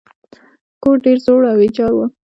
کور ډیر زوړ او ویجاړ و.